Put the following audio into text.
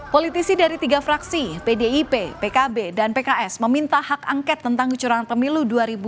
politisi dari tiga fraksi pdip pkb dan pks meminta hak angket tentang kecurangan pemilu dua ribu dua puluh